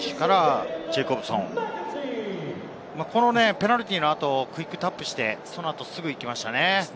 ペナルティーのあとクイックタップして、その後、すぐ行きましたね。